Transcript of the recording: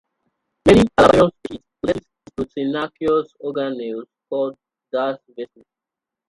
Many "Halobacterium" species possess proteinaceous organelles called gas vesicles.